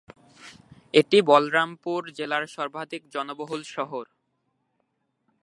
এটি বলরামপুর জেলার সর্বাধিক জনবহুল শহর।